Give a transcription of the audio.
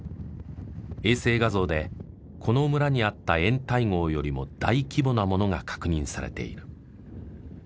衛星画像でこの村にあった掩体壕よりも大規模なものが確認されている。